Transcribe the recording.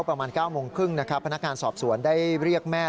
ประมาณ๙โมงครึ่งนะครับพนักงานสอบสวนได้เรียกแม่